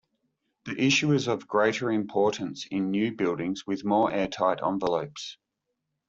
This issue is of greater importance in new buildings with more air tight envelopes.